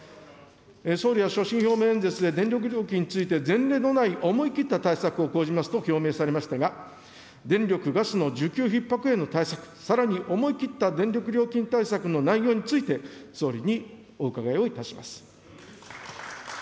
総理は所信表明演説で電力料金について前例のない思い切った対策を講じますと表明されましたが、電力・ガスの需給ひっ迫への対策、さらに思い切った電力料金対策の内容について、総理にお伺いをいたします。